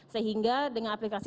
sehingga dengan aplikasi